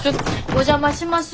お邪魔します。